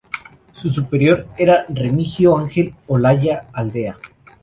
Su superior era Remigio Ángel Olalla Aldea.